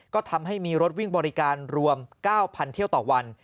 ก็ทำให้มีรถวิ่งบริการรวม๙๐๐เที่ยวต่อวัน